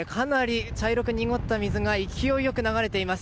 かなり茶色く濁った水が勢いよく流れています。